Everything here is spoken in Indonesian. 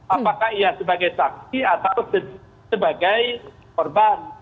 apakah ia sebagai saksi atau sebagai korban